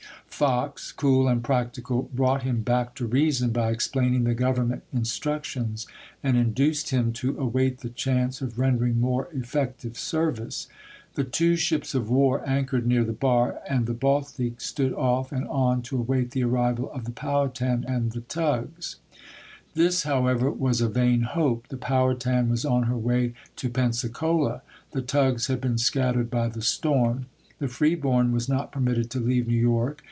Fox, cool and practical, brought him back to reason by explaining the Government instructions, and induced him to await the chance of rendering more effective serv ice. The two ships of war anchored near the bar, and the Baltic stood off and on to await the arrival of the Poivhatan and the tugs. THE FALL OF SUMTER 55 This, however, was a vain hope. The Powhatan chap. hi. was on her way to Pensacola, the tugs had been scattered by the storm. The Freeborn was not per mitted to leave New York.